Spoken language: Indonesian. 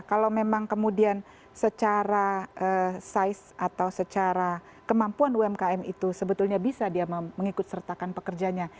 kalau memang kemudian secara size atau secara kemampuan umkm itu sebetulnya bisa dia mengikut sertakan pekerjanya